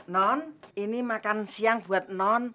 non ini makan siang buat non